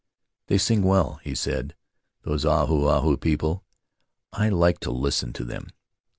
"They sing well," he said, "these Ahu Ahu people; I like to listen to them.